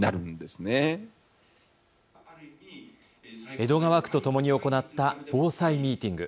江戸川区とともに行った防災ミーティング。